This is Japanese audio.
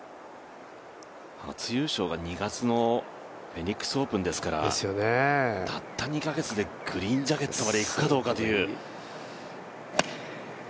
初優勝が２月のフェニックスオープンですから、たった２カ月でグリーンジャケットまでいくかどうかという。